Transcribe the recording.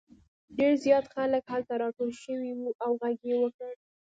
ډېر زیات خلک هلته راټول شوي وو او غږ یې وکړ.